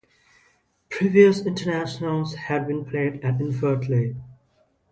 Previous internationals had been played at Inverleith.